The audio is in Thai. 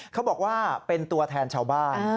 เขาบอกว่าเป็นตัวแทนชาวบ้าน